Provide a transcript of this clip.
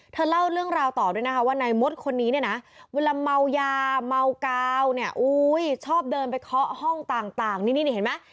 เล่าเรื่องราวต่อด้วยนะคะว่านายมดคนนี้เนี่ยนะเวลาเมายาเมากาวเนี่ยชอบเดินไปเคาะห้องต่างนี่นี่เห็นไหม